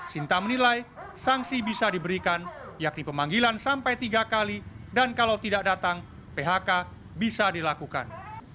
sinta menilai sanksi bisa diberikan yakni pemanggilan sampai tiga kali dan kalau tidak datang phk bisa dilakukan